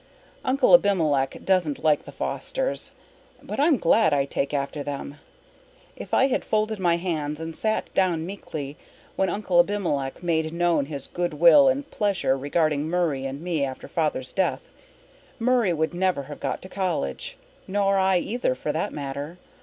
Uncle Abimelech doesn't like the Fosters. But I'm glad I take after them. If I had folded my hands and sat down meekly when Uncle Abimelech made known his good will and pleasure regarding Murray and me after Father's death, Murray would never have got to college nor I either, for that matter.